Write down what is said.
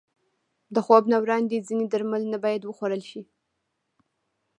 د خوب نه وړاندې ځینې درمل نه باید وخوړل شي.